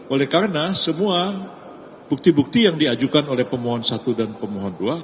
oleh karena semua bukti bukti yang diajukan oleh pemohon satu dan pemohon dua